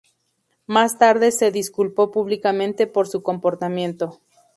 Más tarde se disculpó públicamente por su comportamiento.